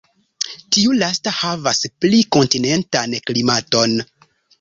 Tiu lasta havas pli kontinentan klimaton.